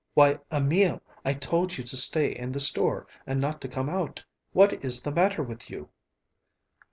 "Why, Emil! I told you to stay in the store and not to come out. What is the matter with you?"